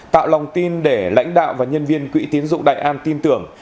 tạo lòng tin để lãnh đạo và nhân viên quỹ tín dụng đại an tin tưởng